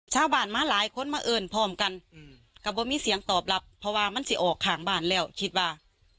ชาวบ้านมาหลายคนมาเอิญพร้อมกันกับว่ามีเสียงตอบรับเพราะว่ามันสิออกข้างบ้านแล้วคิดว่า